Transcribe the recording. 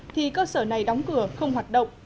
thì cơ sở này đóng cửa không hoạt động